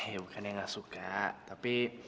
ya bukannya gak suka tapi